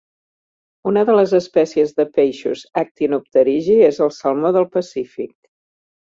Una de les espècies de peixos actinopterigi és el salmó del Pacífic.